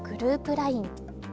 ＬＩＮＥ